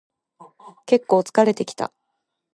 けっこう疲れてきた